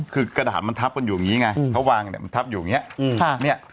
คือกระดาษมันทับกันอยู่อย่างนี้ไงเขาวางเนี่ยมันทับอยู่อย่างนี้